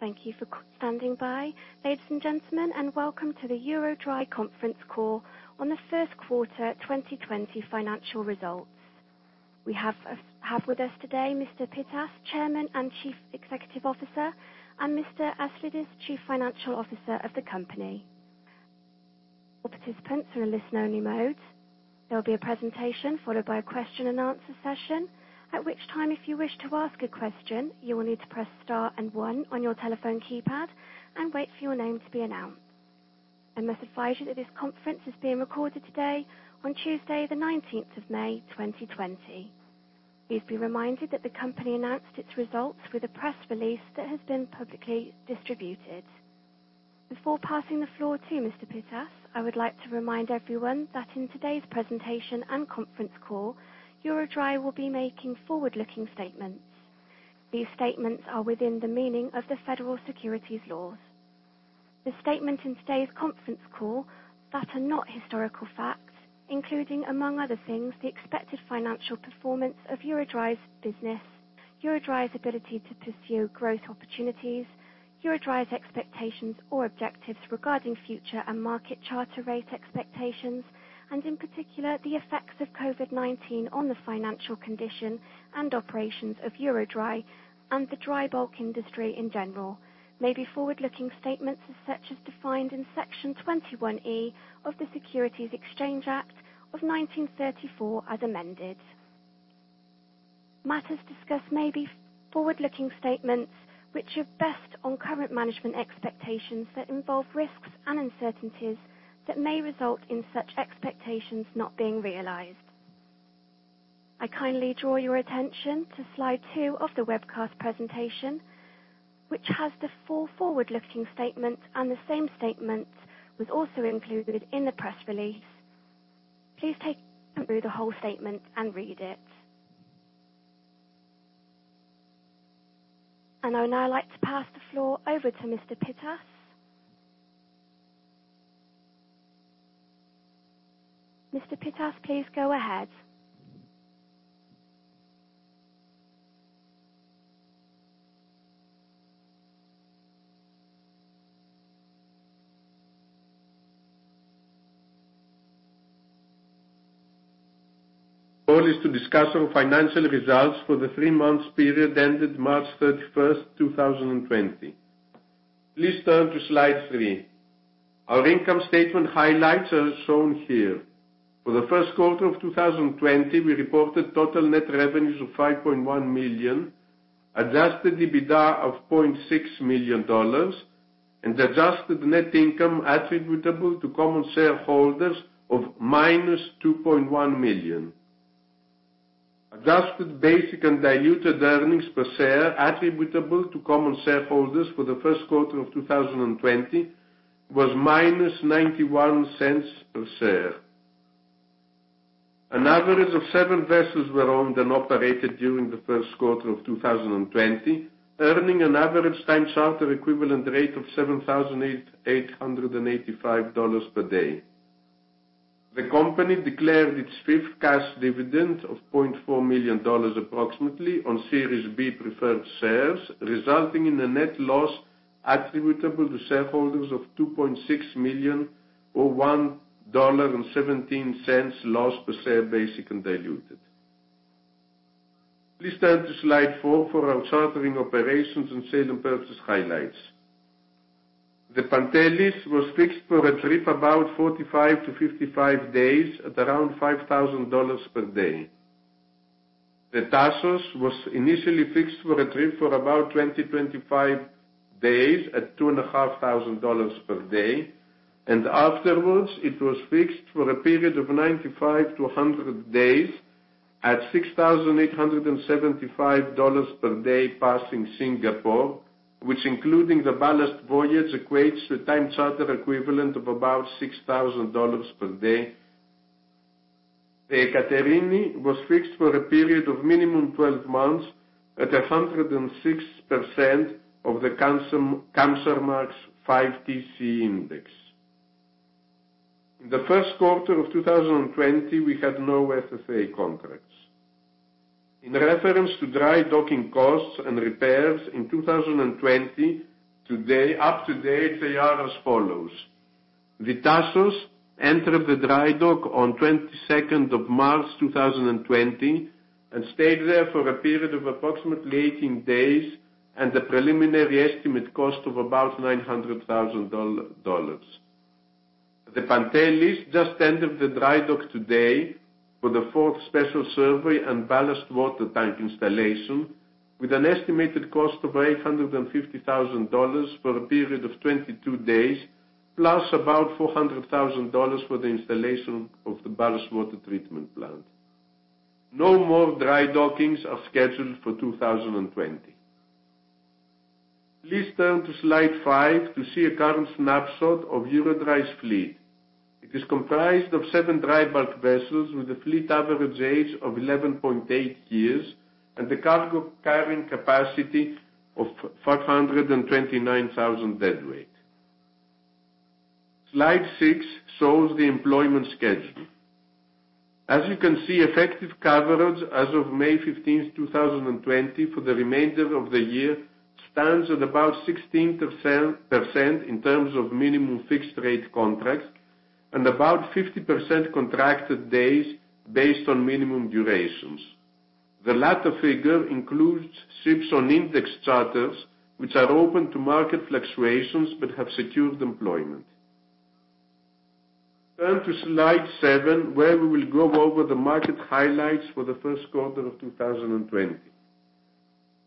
Thank you for standing by, ladies and gentlemen, and welcome to the EuroDry conference call on the first quarter 2020 financial results. We have with us today Mr. Pittas, Chairman and Chief Executive Officer, and Mr. Aslidis, Chief Financial Officer of the company. All participants are in listen-only mode. There will be a presentation followed by a question and answer session. At which time, if you wish to ask a question, you will need to press star and one on your telephone keypad and wait for your name to be announced. I must advise you that this conference is being recorded today, on Tuesday, the 19th of May 2020. Please be reminded that the company announced its results with a press release that has been publicly distributed. Before passing the floor to Mr. Pittas, I would like to remind everyone that in today's presentation and conference call, EuroDry will be making forward-looking statements. These statements are within the meaning of the Federal Securities Laws. The statement in today's conference call that are not historical facts, including, among other things, the expected financial performance of EuroDry's business, EuroDry's ability to pursue growth opportunities, EuroDry's expectations or objectives regarding future and market charter rate expectations, and in particular, the effects of COVID-19 on the financial condition and operations of EuroDry and the dry bulk industry in general, may be forward-looking statements as such as defined in Section 21E of the Securities Exchange Act of 1934 as amended. Matters discussed may be forward-looking statements which are based on current management expectations that involve risks and uncertainties that may result in such expectations not being realized. I kindly draw your attention to slide two of the webcast presentation, which has the full forward-looking statement. The same statement was also included in the press release. Please take through the whole statement and read it. I would now like to pass the floor over to Mr. Pittas. Mr. Pittas, please go ahead. All is to discuss our financial results for the three-month period ended March 31st 2020. Please turn to slide three. Our income statement highlights are as shown here. For the first quarter of 2020, we reported total net revenues of $5.1 million, adjusted EBITDA of $0.6 million, and adjusted net income attributable to common shareholders of -$2.1 million. Adjusted basic and diluted earnings per share attributable to common shareholders for the first quarter of 2020 was -$0.91 per share. An average of seven vessels were owned and operated during the first quarter of 2020, earning an average time charter equivalent rate of $7,885 per day. The company declared its fifth cash dividend of $0.4 million approximately on Series B preferred shares, resulting in a net loss attributable to shareholders of $2.6 million or $1.17 loss per share basic and diluted. Please turn to slide four for our chartering operations and sale and purchase highlights. The Pantelis was fixed for a trip about 45-55 days at around $5,000 per day. Afterwards, it was fixed for a period of 95-100 days at $6,875 per day passing Singapore, which including the ballast voyage, equates to a time charter equivalent of about $6,000 per day. The Ekaterini was fixed for a period of minimum 12 months at 106% of the Kamsarmax 5TC index. In the first quarter of 2020, we had no FFA contracts. In reference to dry docking costs and repairs in 2020, up to date, they are as follows. The Tasos entered the dry dock on 22nd of March 2020 and stayed there for a period of approximately 18 days and a preliminary estimate cost of about $900,000. The Pantelis just entered the dry dock today for the fourth special survey and ballast water tank installation with an estimated cost of $850,000 for a period of 22 days, plus about $400,000 for the installation of the ballast water treatment plant. No more dry dockings are scheduled for 2020. Please turn to slide five to see a current snapshot of EuroDry's fleet. It is comprised of seven dry bulk vessels with a fleet average age of 11.8 years and a cargo carrying capacity of 529,000 deadweight. Slide six shows the employment schedule. As you can see, effective coverage as of May 15th, 2020 for the remainder of the year stands at about 16% in terms of minimum fixed-rate contracts and about 50% contracted days based on minimum durations. The latter figure includes ships on index charters, which are open to market fluctuations but have secured employment. Turn to slide seven, where we will go over the market highlights for the first quarter of 2020.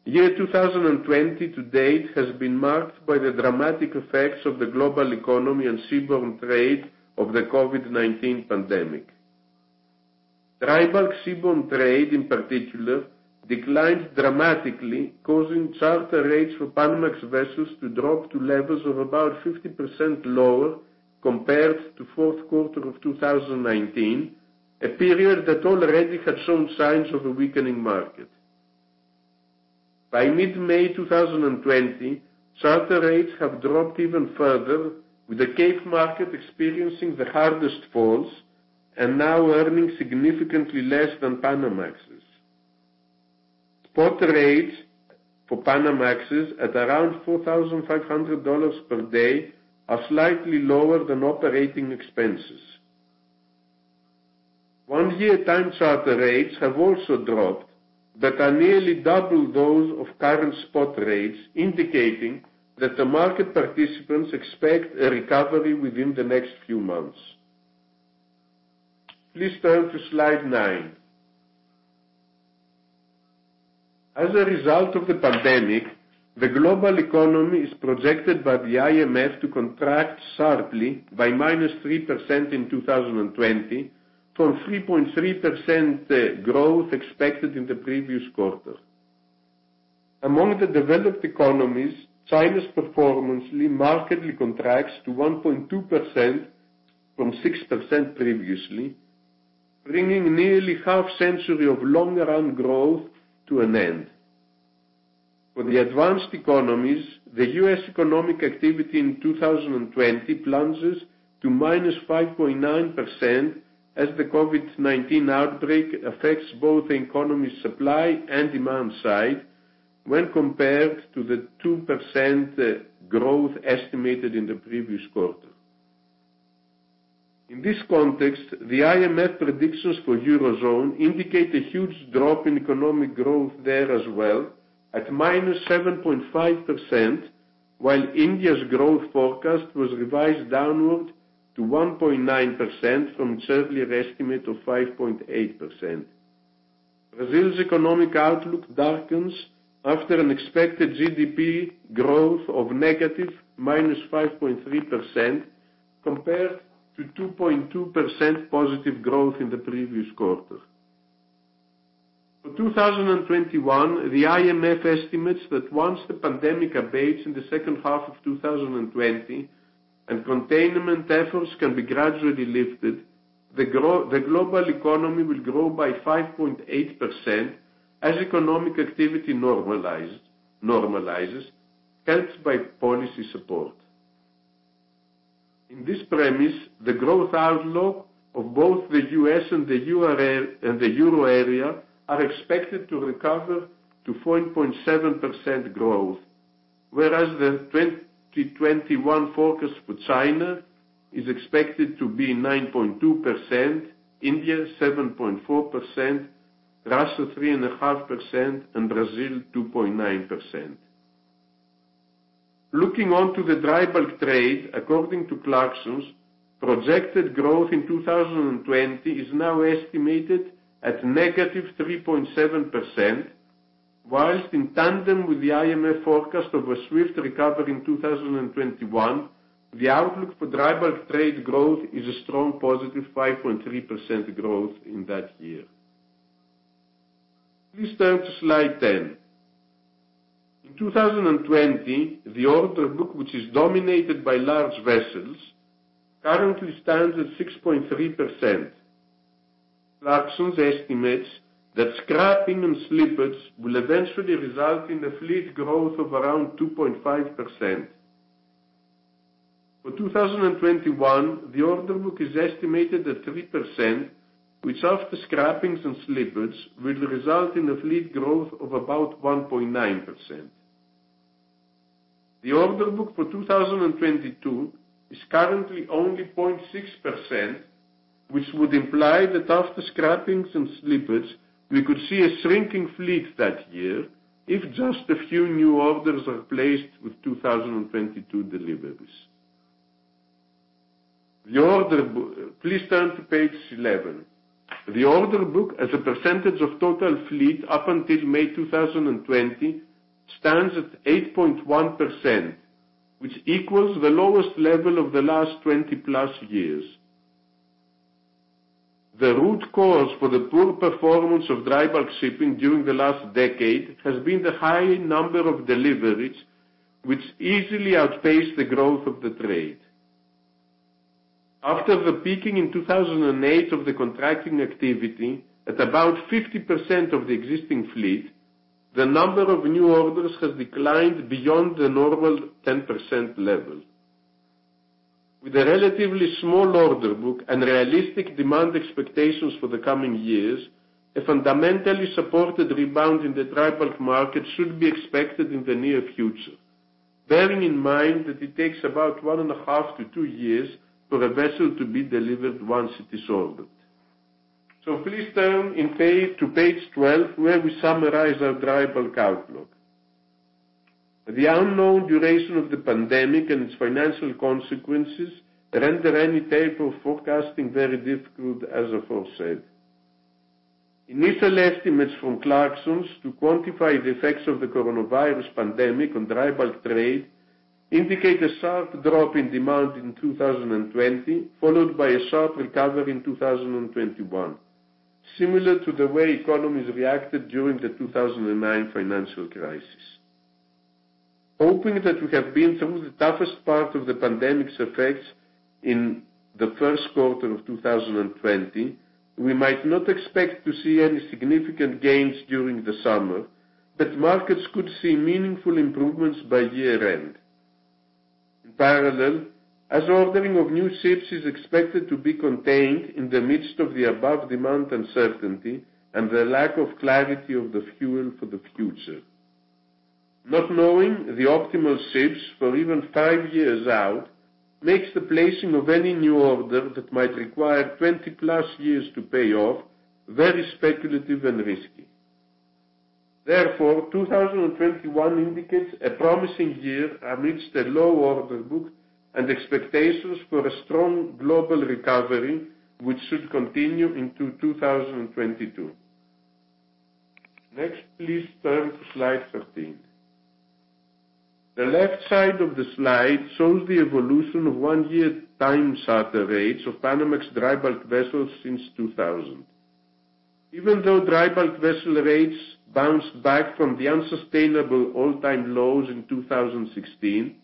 Year 2020 to date has been marked by the dramatic effects of the global economy and seaborne trade of the COVID-19 pandemic. Dry bulk seaborne trade, in particular, declined dramatically, causing charter rates for Panamax vessels to drop to levels of about 50% lower compared to fourth quarter of 2019, a period that already had shown signs of a weakening market. By mid-May 2020, charter rates have dropped even further, with the Cape market experiencing the hardest falls and now earning significantly less than Panamax's. Spot rates for Panamax is at around $4,500 per day, are slightly lower than operating expenses. One-year time charter rates have also dropped that are nearly double those of current spot rates, indicating that the market participants expect a recovery within the next few months. Please turn to slide nine. As a result of the pandemic, the global economy is projected by the IMF to contract sharply by -3% in 2020 from 3.3% growth expected in the previous quarter. Among the developed economies, China's performance markedly contracts to 1.2% from 6% previously, bringing nearly half-century of long run growth to an end. For the advanced economies, the U.S. economic activity in 2020 plunges to -5.9% as the COVID-19 outbreak affects both the economy supply and demand side when compared to the 2% growth estimated in the previous quarter. In this context, the IMF predictions for Eurozone indicate a huge drop in economic growth there as well at -7.5%, while India's growth forecast was revised downward to 1.9% from its earlier estimate of 5.8%. Brazil's economic outlook darkens after an expected GDP growth of -5.3%, compared to 2.2% positive growth in the previous quarter. For 2021, the IMF estimates that once the pandemic abates in the second half of 2020 and containment efforts can be gradually lifted, the global economy will grow by 5.8% as economic activity normalizes, helped by policy support. In this premise, the growth outlook of both the U.S. and the Euro area are expected to recover to 4.7% growth, whereas the 2021 forecast for China is expected to be 9.2%, India 7.4%, Russia 3.5%, and Brazil 2.9%. Looking onto the dry bulk trade, according to Clarksons, projected growth in 2020 is now estimated at -3.7%, whilst in tandem with the IMF forecast of a swift recovery in 2021, the outlook for dry bulk trade growth is a strong positive 5.3% growth in that year. Please turn to slide 10. In 2020, the order book, which is dominated by large vessels, currently stands at 6.3%. Clarksons estimates that scrapping and slippage will eventually result in a fleet growth of around 2.5%. For 2021, the order book is estimated at 3%, which after scrappings and slippage, will result in a fleet growth of about 1.9%. The order book for 2022 is currently only 0.6%, which would imply that after scrappings and slippage, we could see a shrinking fleet that year if just a few new orders are placed with 2022 deliveries. Please turn to page 11. The order book as a percentage of total fleet up until May 2020 stands at 8.1%, which equals the lowest level of the last 20 plus years. The root cause for the poor performance of dry bulk shipping during the last decade has been the high number of deliveries which easily outpaced the growth of the trade. After the peaking in 2008 of the contracting activity at about 50% of the existing fleet. The number of new orders has declined beyond the normal 10% level. With a relatively small order book and realistic demand expectations for the coming years, a fundamentally supported rebound in the dry bulk market should be expected in the near future, bearing in mind that it takes about one and a half to two years for a vessel to be delivered once it is ordered. Please turn to page 12, where we summarize our dry bulk outlook. The unknown duration of the pandemic and its financial consequences render any type of forecasting very difficult, as aforesaid. Initial estimates from Clarksons to quantify the effects of the coronavirus pandemic on dry bulk trade indicate a sharp drop in demand in 2020, followed by a sharp recovery in 2021, similar to the way economies reacted during the 2009 financial crisis. Hoping that we have been through the toughest part of the pandemic's effects in the first quarter of 2020, we might not expect to see any significant gains during the summer, but markets could see meaningful improvements by year-end. In parallel, as ordering of new ships is expected to be contained in the midst of the above demand uncertainty and the lack of clarity of the fuel for the future. Not knowing the optimal ships for even five years out makes the placing of any new order that might require 20-plus years to pay off very speculative and risky. Therefore, 2021 indicates a promising year amidst a low order book and expectations for a strong global recovery, which should continue into 2022. Next, please turn to slide 13. The left side of the slide shows the evolution of one-year time charter rates of Panamax dry bulk vessels since 2000. Even though dry bulk vessel rates bounced back from the unsustainable all-time lows in 2016,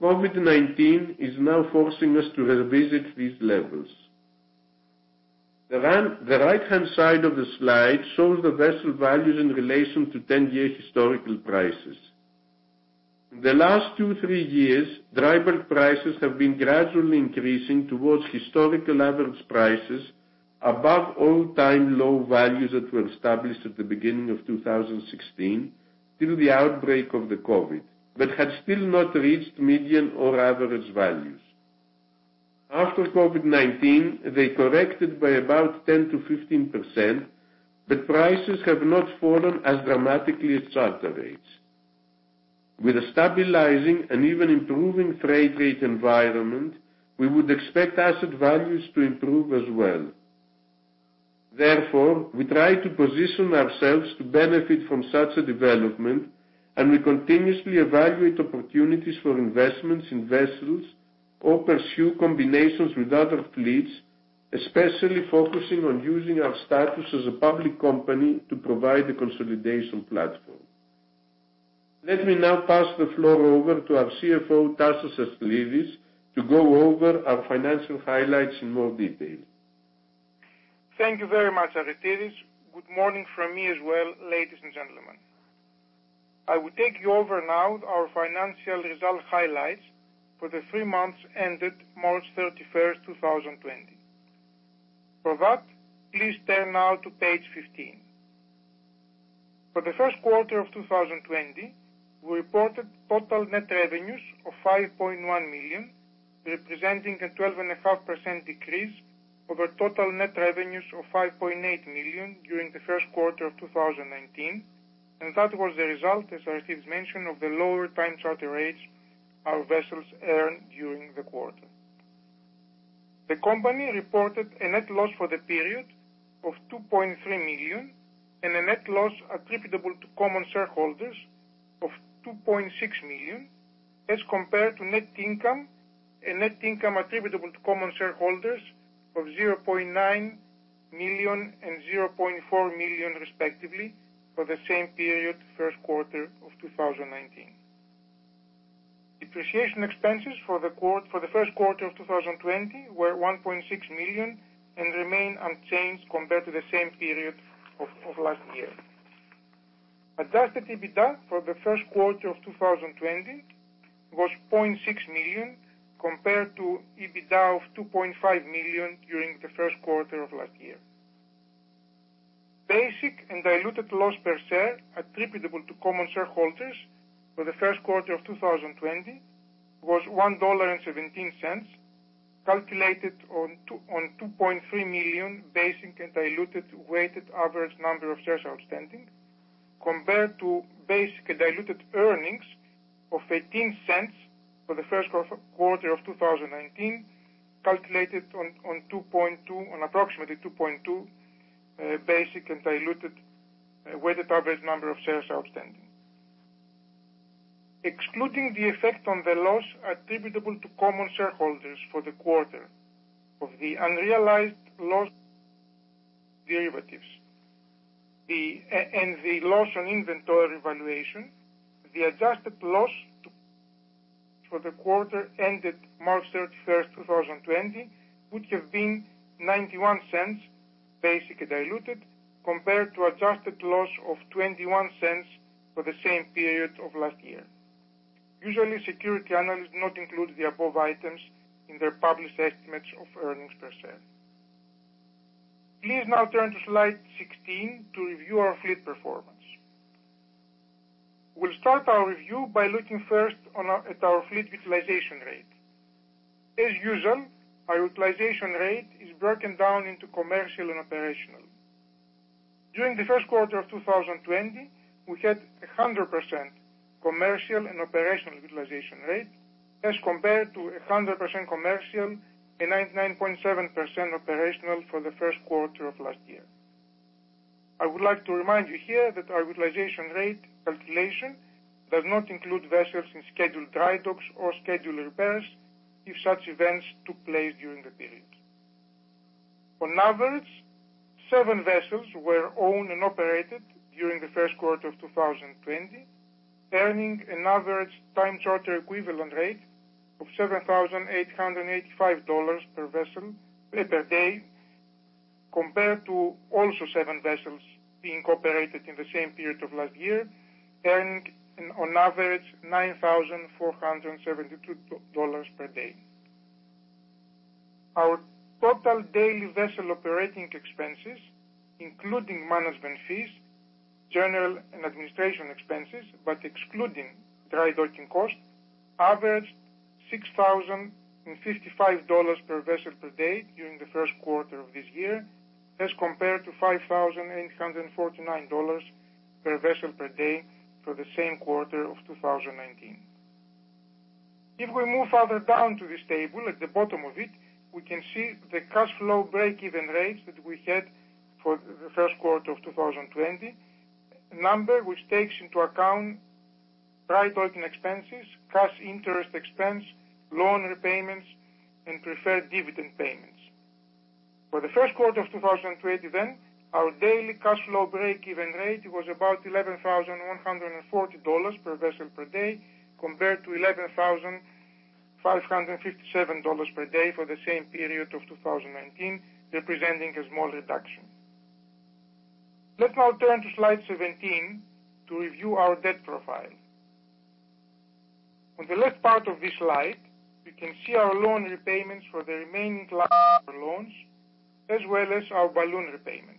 COVID-19 is now forcing us to revisit these levels. The right-hand side of the slide shows the vessel values in relation to 10-year historical prices. In the last two, three years, dry bulk prices have been gradually increasing towards historical average prices above all-time low values that were established at the beginning of 2016 till the outbreak of the COVID, but had still not reached median or average values. After COVID-19, they corrected by about 10%-15%, but prices have not fallen as dramatically as charter rates. With a stabilizing and even improving freight rate environment, we would expect asset values to improve as well. Therefore, we try to position ourselves to benefit from such a development, and we continuously evaluate opportunities for investments in vessels or pursue combinations with other fleets, especially focusing on using our status as a public company to provide a consolidation platform. Let me now pass the floor over to our CFO, Tasos Aslidis, to go over our financial highlights in more detail. Thank you very much, Aristides. Good morning from me as well, ladies and gentlemen. I will take you over now with our financial result highlights for the three months ended March 31st, 2020. For that, please turn now to page 15. For the first quarter of 2020, we reported total net revenues of $5.1 million, representing a 12.5% decrease over total net revenues of $5.8 million during the first quarter of 2019, and that was the result, as Aristeros mentioned, of the lower time charter rates our vessels earned during the quarter. The company reported a net loss for the period of $2.3 million and a net loss attributable to common shareholders of $2.6 million as compared to net income and net income attributable to common shareholders of $0.9 million and $0.4 million respectively for the same period, first quarter of 2019. Depreciation expenses for the first quarter of 2020 were $1.6 million and remain unchanged compared to the same period of last year. Adjusted EBITDA for the first quarter of 2020 was $0.6 million, compared to EBITDA of $2.5 million during the first quarter of last year. Basic and diluted loss per share attributable to common shareholders for the first quarter of 2020 was $1.17, calculated on $2.3 million basic and diluted weighted average number of shares outstanding, compared to basic and diluted earnings of $0.18 for the first quarter of 2019, calculated on approximately 2.2 basic and diluted weighted average number of shares outstanding. Excluding the effect on the loss attributable to common shareholders for the quarter of the unrealized loss derivatives and the loss on inventory valuation, the adjusted loss for the quarter ended March 31, 2020, would have been $0.91, basically diluted compared to adjusted loss of $0.21 for the same period of last year. Usually, security analysts not include the above items in their published estimates of earnings per share. Please now turn to slide 16 to review our fleet performance. We'll start our review by looking first at our fleet utilization rate. As usual, our utilization rate is broken down into commercial and operational. During the first quarter of 2020, we had 100% commercial and operational utilization rate as compared to 100% commercial and 99.7% operational for the first quarter of last year. I would like to remind you here that our utilization rate calculation does not include vessels in scheduled dry docks or scheduled repairs if such events took place during the period. On average, seven vessels were owned and operated during the first quarter of 2020, earning an average time charter equivalent rate of $7,885 per vessel per day, compared to also seven vessels being operated in the same period of last year, earning on average $9,472 per day. Our total daily vessel operating expenses, including management fees, general and administration expenses, but excluding dry docking costs, averaged $6,055 per vessel per day during the first quarter of this year, as compared to $5,849 per vessel per day for the same quarter of 2019. If we move further down to this table, at the bottom of it, we can see the cash flow breakeven rates that we had for the first quarter of 2020, which takes into account dry docking expenses, cash interest expense, loan repayments, and preferred dividend payments. For the first quarter of 2020, our daily cash flow breakeven rate was about $11,140 per vessel per day, compared to $11,557 per day for the same period of 2019, representing a small reduction. Let's now turn to slide 17 to review our debt profile. On the left part of this slide, we can see our loan repayments for the remaining loans, as well as our balloon repayments.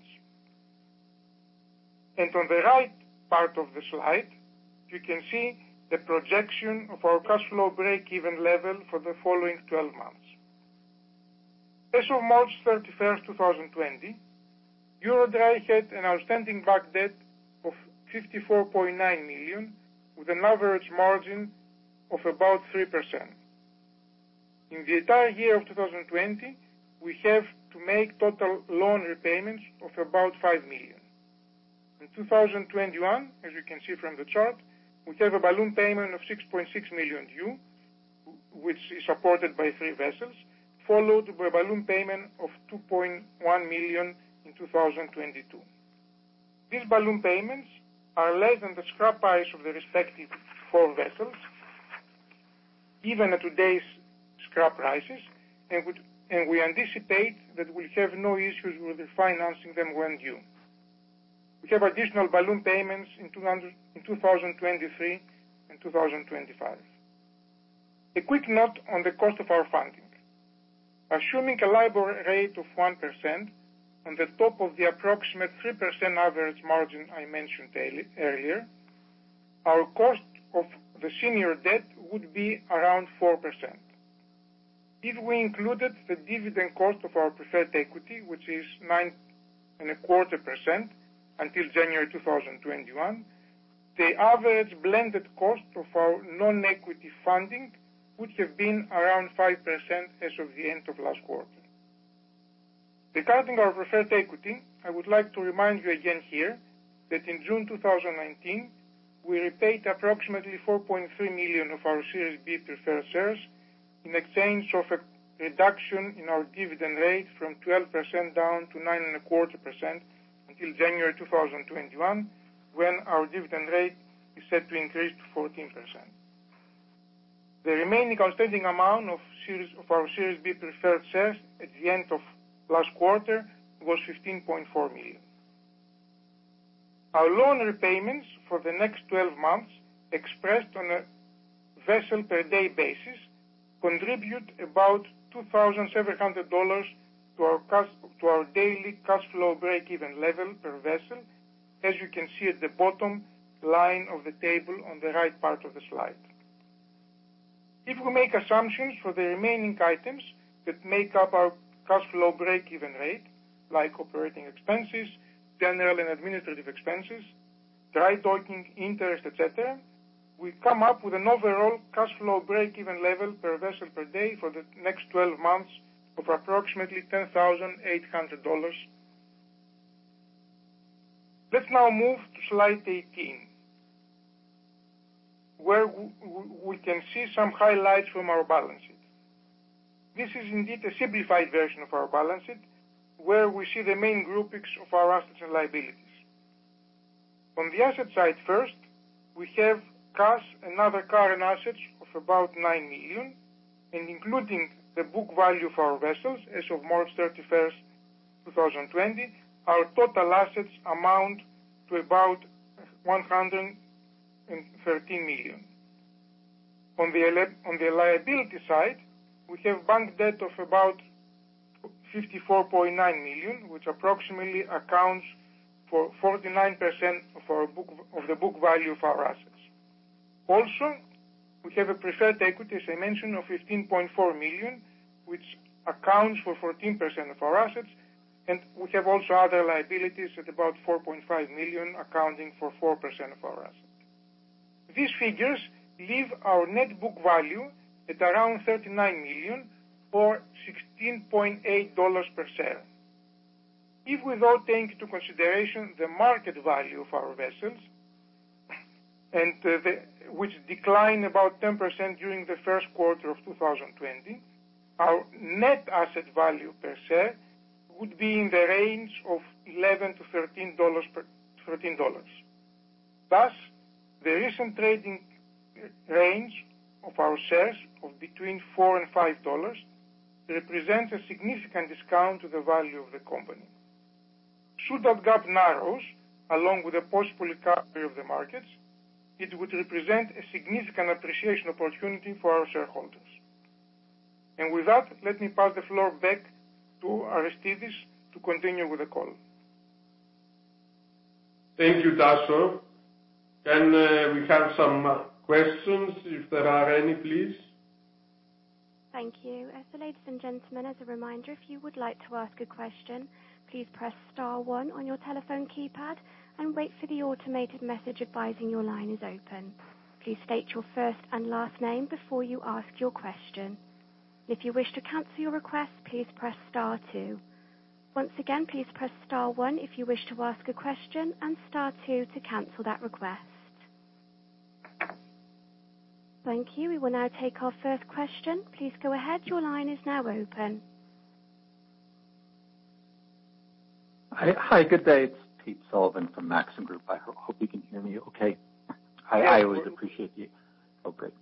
On the right part of the slide, you can see the projection of our cash flow breakeven level for the following 12 months. As of March 31st, 2020, EuroDry had an outstanding bank debt of $54.9 million, with an average margin of about 3%. In the entire year of 2020, we have to make total loan repayments of about $5 million. In 2021, as you can see from the chart, we have a balloon payment of $6.6 million due, which is supported by three vessels, followed by a balloon payment of $2.1 million in 2022. These balloon payments are less than the scrap price of the respective four vessels, even at today's scrap prices, and we anticipate that we'll have no issues with financing them when due. We have additional balloon payments in 2023 and 2025. A quick note on the cost of our funding. Assuming a LIBOR rate of 1% on the top of the approximate 3% average margin I mentioned earlier, our cost of the senior debt would be around 4%. If we included the dividend cost of our preferred equity, which is 9.25% until January 2021, the average blended cost of our non-equity funding would have been around 5% as of the end of last quarter. Regarding our preferred equity, I would like to remind you again here that in June 2019, we repaid approximately $4.3 million of our Series B preferred shares in exchange of a reduction in our dividend rate from 12% down to 9.25% until January 2021, when our dividend rate is set to increase to 14%. The remaining outstanding amount of our Series B preferred shares at the end of last quarter was $15.4 million. Our loan repayments for the next 12 months, expressed on a vessel per day basis, contribute about $2,700 to our daily cash flow breakeven level per vessel, as you can see at the bottom line of the table on the right part of the slide. If we make assumptions for the remaining items that make up our cash flow breakeven rate, like operating expenses, general and administrative expenses, dry docking, interest, et cetera, we come up with an overall cash flow breakeven level per vessel per day for the next 12 months of approximately $10,800. Let's now move to slide 18, where we can see some highlights from our balance sheet. This is indeed a simplified version of our balance sheet, where we see the main groupings of our assets and liabilities. On the asset side first, we have cash and other current assets of about $9 million. Including the book value of our vessels as of March 31st, 2020, our total assets amount to about $113 million. On the liability side, we have bank debt of about $54.9 million, which approximately accounts for 49% of the book value of our assets. We have a preferred equity, as I mentioned, of $15.4 million, which accounts for 14% of our assets. We have also other liabilities at about $4.5 million, accounting for 4% of our assets. These figures leave our net book value at around $39 million or $16.8 per share. If we now take into consideration the market value of our vessels, which declined about 10% during the first quarter of 2020, our net asset value per share would be in the range of $11-$13. Thus, the recent trading range of our shares of between $4 and $5 represents a significant discount to the value of the company. Should that gap narrow, along with a possible recovery of the markets, it would represent a significant appreciation opportunity for our shareholders. With that, let me pass the floor back to Aristides to continue with the call. Thank you, Tasos. Can we have some questions if there are any, please? Thank you. Ladies and gentlemen, as a reminder, if you would like to ask a question, please press star 1 on your telephone keypad and wait for the automated message advising your line is open. Please state your first and last name before you ask your question. If you wish to cancel your request, please press star 2. Once again, please press star 1 if you wish to ask a question and star 2 to cancel that request. Thank you. We will now take our first question. Please go ahead. Your line is now open. Hi, good day. It's Tate Sullivan from Maxim Group. I hope you can hear me okay. Yes. Oh, great.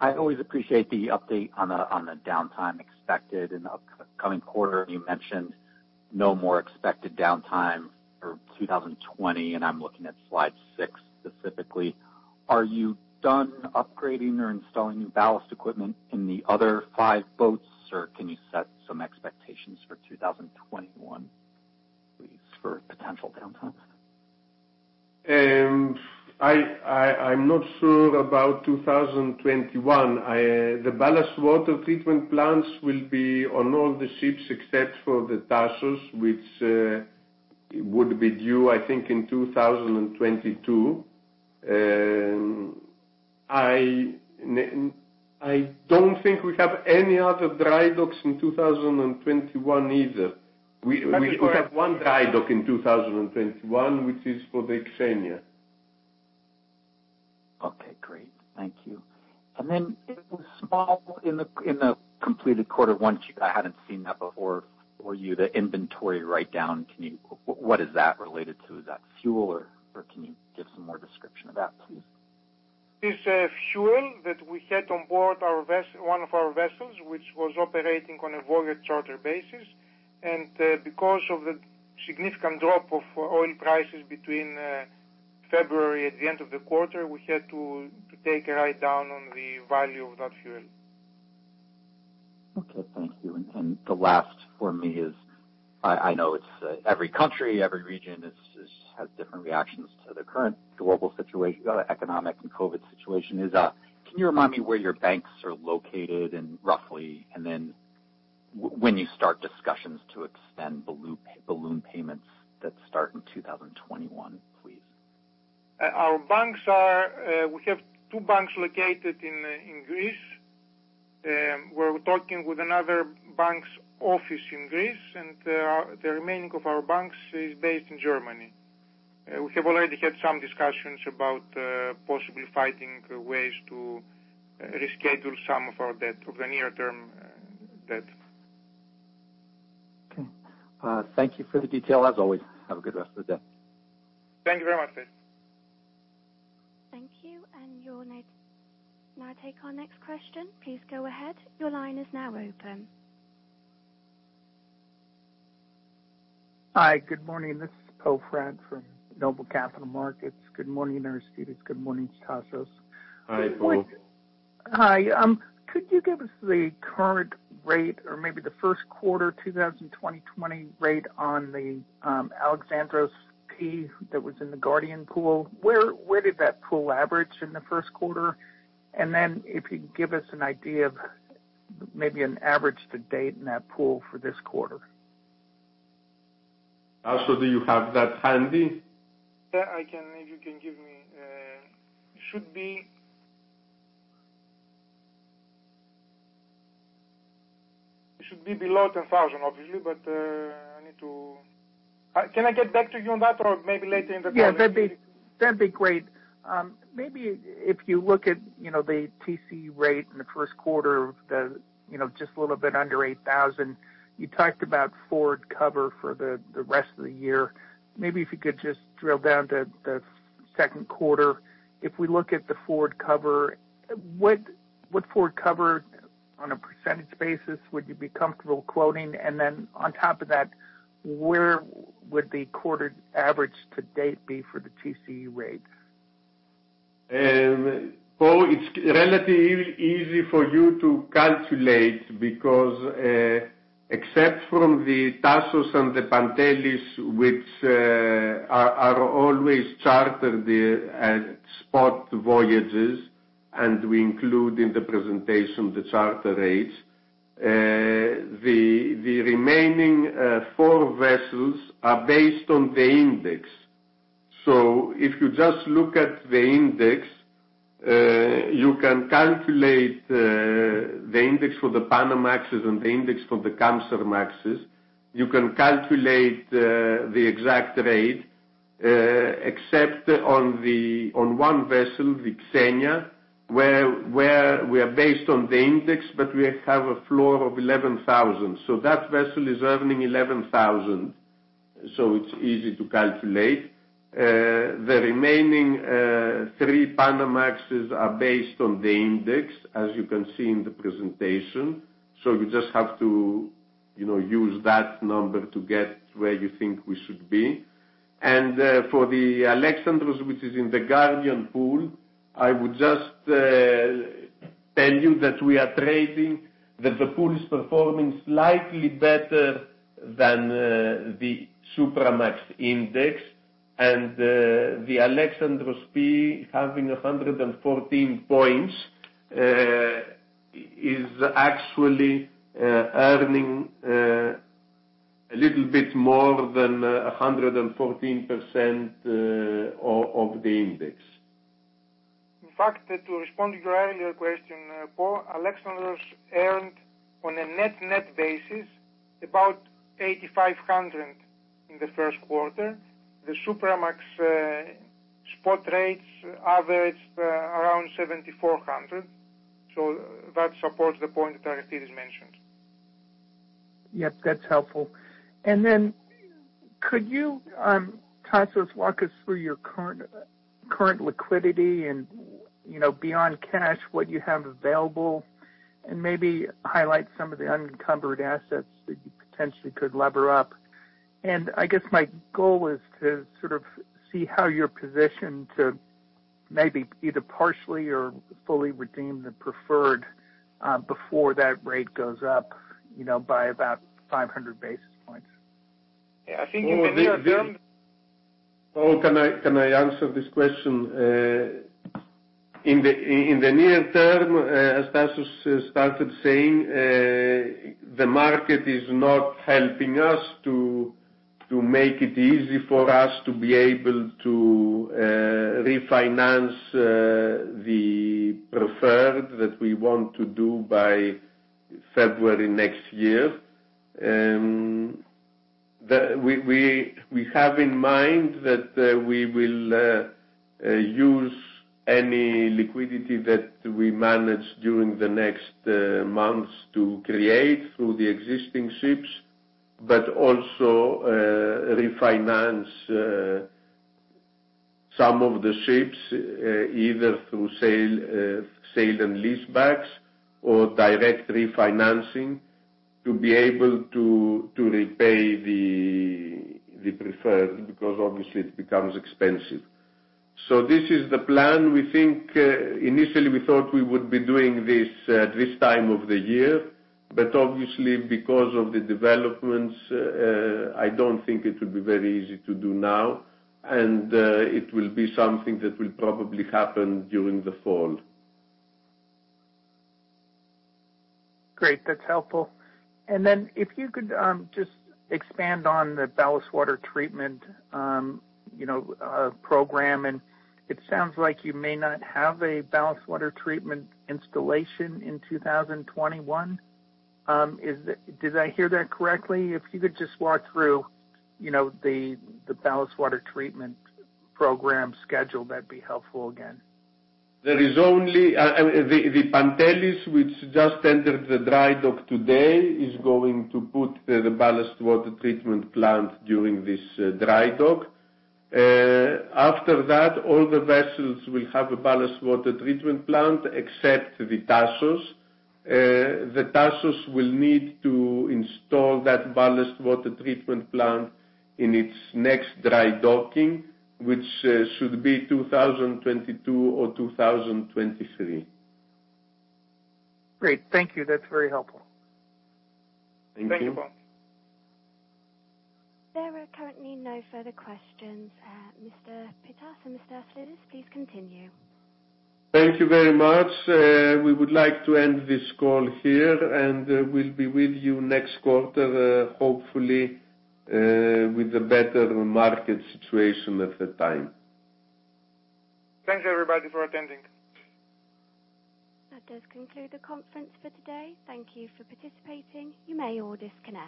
I always appreciate the update on the downtime expected in the upcoming quarter. You mentioned no more expected downtime for 2020, and I'm looking at slide six specifically. Are you done upgrading or installing new ballast equipment in the other five boats, or can you set some expectations for 2021, please, for potential downtime? I'm not sure about 2021. The ballast water treatment plants will be on all the ships except for the Tasos, which would be due, I think, in 2022. I don't think we have any other dry docks in 2021 either. We have one dry dock in 2021, which is for the Xenia. Okay, great. Thank you. It was small in the completed quarter, I hadn't seen that before for you, the inventory write-down. What is that related to? Is that fuel, or can you give some more description of that, please? It's fuel that we had on board one of our vessels, which was operating on a voyage charter basis. Because of the significant drop of oil prices between February at the end of the quarter, we had to take a write-down on the value of that fuel. Okay, thank you. The last for me is, I know it's every country, every region has different reactions to the current global situation, economic and COVID situation, can you remind me where your banks are located and roughly, and then when you start discussions to extend balloon payments that start in 2021, please? We have two banks located in Greece. We're talking with another bank's office in Greece, and the remaining of our banks is based in Germany. We have already had some discussions about possibly finding ways to reschedule some of our debt, of the near-term debt. Okay. Thank you for the detail, as always. Have a good rest of the day. Thank you very much, Tate. Thank you. We'll now take our next question. Please go ahead. Your line is now open. Hi, good morning. This is Poe Fratt from Noble Capital Markets. Good morning, Aristides. Good morning, Tasos. Hi, Poe. Hi. Could you give us the current rate or maybe the first quarter 2020 rate on the Alexandros P that was in the Guardian Pool? Where did that Pool average in the first quarter? If you could give us an idea of maybe an average to date in that Pool for this quarter. Taso, do you have that handy? Yeah, if you can give me. It should be below 10,000, obviously, but Can I get back to you on that or maybe later in the call? Yeah, that'd be great. Maybe if you look at the TC rate in the first quarter, just a little bit under $8,000. You talked about forward cover for the rest of the year. Maybe if you could just drill down to the second quarter, if we look at the forward cover, what forward cover on a % basis would you be comfortable quoting? On top of that, where would the quarter average to date be for the TCE rate? Poe, it's relatively easy for you to calculate because except from the Tasos and the Pantelis, which are always chartered the spot voyages, and we include in the presentation the charter rates, the remaining four vessels are based on the index. If you just look at the index, you can calculate the index for the Panamax and the index for the Kamsarmax. You can calculate the exact rate, except on one vessel, the Xenia, where we are based on the index, but we have a floor of $11,000. That vessel is earning $11,000, so it's easy to calculate. The remaining three Panamax are based on the index, as you can see in the presentation, so you just have to use that number to get where you think we should be. For the Alexandros, which is in the Guardian Pool, I would just tell you that we are trading, that the pool is performing slightly better than the Supramax index. The Alexandros P having 114 points, is actually earning a little bit more than 114% of the index. In fact, to respond to your earlier question, Poe, Alexandros earned on a net basis about $8,500 in the first quarter. The Supramax spot rates averaged around $7,400. That supports the point that Aristides mentioned. Yes, that's helpful. Could you, Tasos, walk us through your current liquidity and beyond cash, what you have available, and maybe highlight some of the unencumbered assets that you potentially could lever up. I guess my goal is to sort of see how you're positioned to maybe either partially or fully redeem the preferred, before that rate goes up by about 500 basis points. Yeah, I think you can hear- Poe, can I answer this question? In the near term, as Tasos started saying, the market is not helping us to make it easy for us to be able to refinance the preferred that we want to do by February next year. We have in mind that we will use any liquidity that we manage during the next months to create through the existing ships, but also refinance some of the ships, either through sale and leasebacks or direct refinancing to be able to repay the preferred because obviously it becomes expensive. This is the plan. We think initially we thought we would be doing this at this time of the year, but obviously because of the developments, I don't think it will be very easy to do now, and it will be something that will probably happen during the fall. Great. That's helpful. If you could just expand on the ballast water treatment program, and it sounds like you may not have a ballast water treatment installation in 2021. Did I hear that correctly? If you could just walk through the ballast water treatment program schedule, that'd be helpful again. The Pantelis, which just entered the dry dock today, is going to put the ballast water treatment plant during this dry dock. After that, all the vessels will have a ballast water treatment plant except the Tasos. The Tasos will need to install that ballast water treatment plant in its next dry docking, which should be 2022 or 2023. Great. Thank you. That's very helpful. Thank you. Thank you, Poe. There are currently no further questions. Mr. Pittas and Mr. Aslidis, please continue. Thank you very much. We would like to end this call here, and we'll be with you next quarter, hopefully, with a better market situation at the time. Thanks, everybody, for attending. That does conclude the conference for today. Thank you for participating. You may all disconnect.